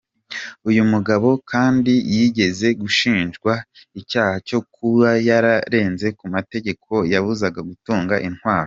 Uyu mugabo kandi yigeze gushinjwa icyaha cyo kuba yararenze ku mategeko yamubuzaga gutunga intwaro.